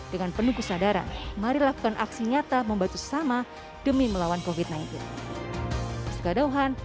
dengan penuh kesadaran mari lakukan aksi nyata membantu sesama demi melawan covid sembilan belas